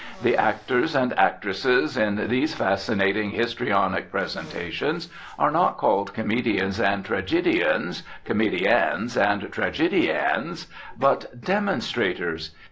The actors and actresses in these fascinating histrionic presentations are not called comedians and tragedians, comediennes and tragediennes but "demonstrators."